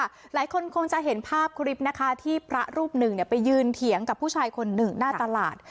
หลายคนคงจะเห็นภาพคลิปนะคะที่พระรูปหนึ่งไปยืนเถียงกับผู้ชายคนหนึ่งหน้าตลาด